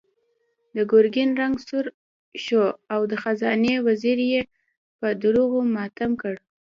د ګرګين رنګ سور شو او د خزانې وزير يې په دروغو متهم کړ.